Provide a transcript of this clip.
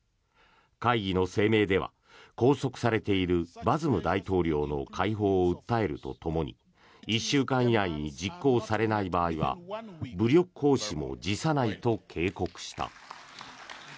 会議の声明では拘束されているバズム大統領の解放を訴えるとともに１週間以内に実行されない場合は武力行使も辞さないと警告した。